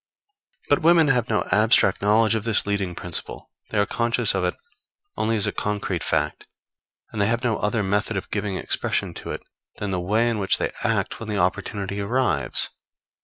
But women have no abstract knowledge of this leading principle; they are conscious of it only as a concrete fact; and they have no other method of giving expression to it than the way in which they act when the opportunity arrives.